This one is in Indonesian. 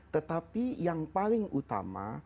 tetapi yang paling utama